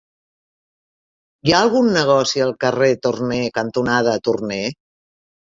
Hi ha algun negoci al carrer Torné cantonada Torné?